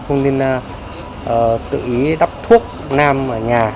không nên tự ý đắp thuốc nam ở nhà